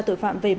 tội phạm về mạng